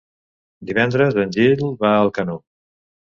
Divendres en Gil va a Alcanó.